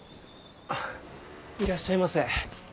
いらっしゃいませ。